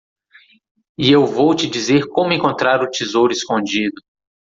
E eu vou te dizer como encontrar o tesouro escondido.